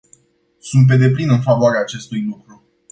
Sunt pe deplin în favoarea acestui lucru.